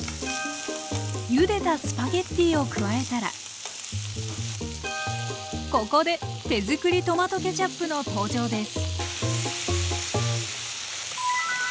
ゆでたスパゲッティを加えたらここで手づくりトマトケチャップの登場です！